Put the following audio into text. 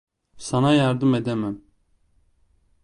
Sana yardım edemem.